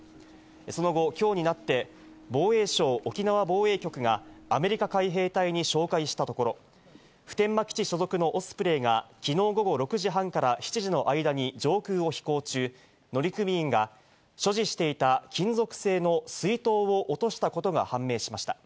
その後、きょうになって、防衛省沖縄防衛局がアメリカ海兵隊に照会したところ、普天間基地所属のオスプレイが、きのう午後６時半から７時の間に上空を飛行中、乗組員が所持していた金属製の水筒を落としたことが判明しました。